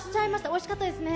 おいしかったですね。